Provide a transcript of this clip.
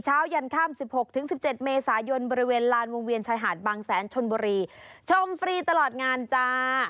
เช้ายันข้าม๑๖๑๗เมษายนบริเวณลานวงเวียนชายหารบางแสนชนบรีชมฟรีตลอดงานจ้า